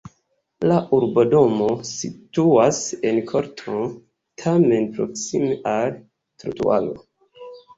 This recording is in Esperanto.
La urbodomo situas en korto, tamen proksime al trotuaro.